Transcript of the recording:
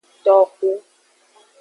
Toxu.